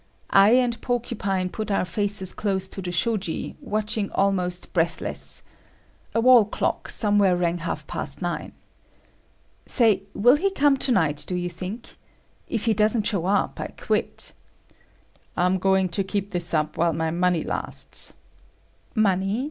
I and Porcupine put our faces close to the shoji, watching almost breathless. A wall clock somewhere rang half past nine. "Say, will he come to night, do you think? If he doesn't show up, I quit." "I'm going to keep this up while my money lasts." "Money?